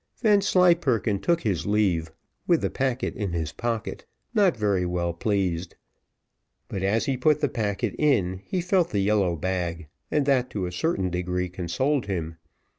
Vanslyperken took his leave, with the packet in his pocket, not very well pleased; but as he put the packet in, he felt the yellow bag, and that to a certain degree consoled him.